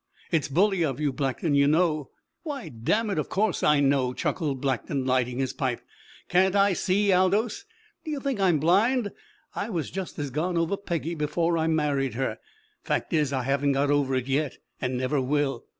It's bully of you, Blackton! You know " "Why, dammit, of course I know!" chuckled Blackton, lighting his pipe. "Can't I see, Aldous? D'ye think I'm blind? I was just as gone over Peggy before I married her. Fact is, I haven't got over it yet and never will.